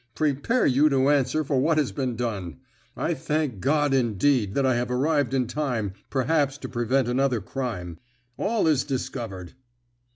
"Prepare you to answer for what has been done. I thank God, indeed, that I have arrived in time, perhaps, to prevent another crime. All is discovered."